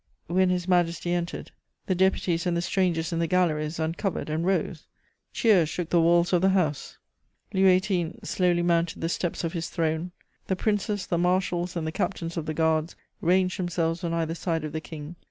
When His Majesty entered, the deputies and the strangers in the galleries uncovered and rose; cheers shook the walls of the house. Louis XVIII. slowly mounted the steps of his throne; the Princes, the marshals and the captains of the guards ranged themselves on either side of the King.